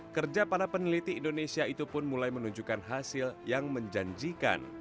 kerja para peneliti indonesia itu pun mulai menunjukkan hasil yang menjanjikan